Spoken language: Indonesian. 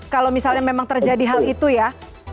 kalau misalnya memang terjadi hal itu ya